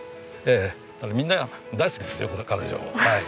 みんな大好きですよ彼女を。